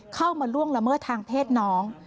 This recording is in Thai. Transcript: เข้ามาล่วงระเบิดทางเพศน้อง